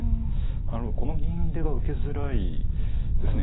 なるほどこの銀出が受けづらいですね。